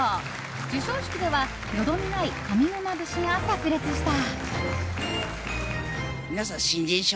授賞式ではよどみない上沼節がさく裂した！